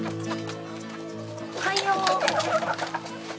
おはよう。